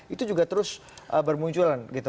itu juga terus bermunculan